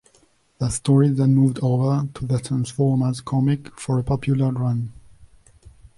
The story then moved over to "The Transformers" comic for a popular run.